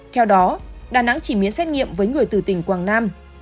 theo đó đà nẵng chỉ miễn xét nghiệm với người từ tỉnh quảng nam